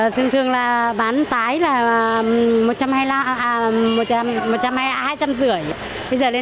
thường thường bán tái là hai trăm linh rưỡi bây giờ lên hai trăm sáu mươi